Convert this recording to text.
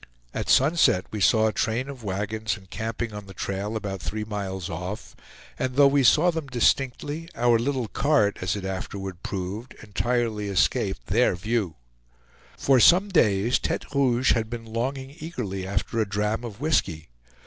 At sunset we saw a train of wagons encamping on the trail about three miles off; and though we saw them distinctly, our little cart, as it afterward proved, entirely escaped their view. For some days Tete Rouge had been longing eagerly after a dram of whisky.